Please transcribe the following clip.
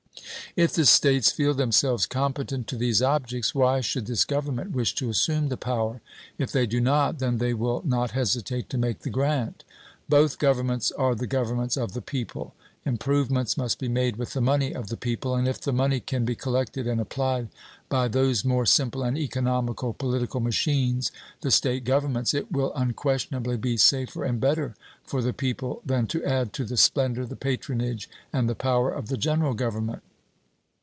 If the States feel themselves competent to these objects, why should this Government wish to assume the power? If they do not, then they will not hesitate to make the grant. Both Governments are the Governments of the people; improvements must be made with the money of the people, and if the money can be collected and applied by those more simple and economical political machines, the State governments, it will unquestionably be safer and better for the people than to add to the splendor, the patronage, and the power of the General Government.